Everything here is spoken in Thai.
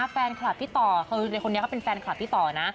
แฟนคลับพี่ต่อคือในคนนี้เขาเป็นแฟนคลับพี่ต่อนะ